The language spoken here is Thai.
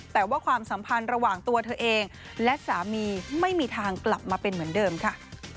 แต่ว่าความสัมพันธ์ระหว่างตัวเธอเองและสามีไม่มีทางกลับมาเป็นเหมือนเดิมค่ะ